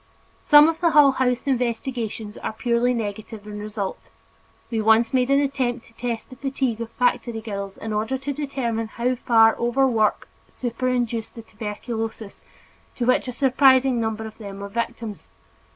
Some of the Hull House investigations are purely negative in result; we once made an attempt to test the fatigue of factory girls in order to determine how far overwork superinduced the tuberculosis to which such a surprising number of them were victims.